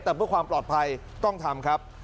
แต่เพื่อความปลอดภัยต้องทำครับ